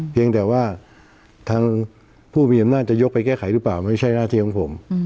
เพียงแต่ว่าทางผู้มีอำนาจจะยกไปแก้ไขหรือเปล่าไม่ใช่หน้าที่ของผม